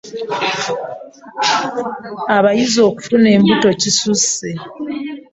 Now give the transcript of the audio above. Abayizi okufuna embuto kisusse.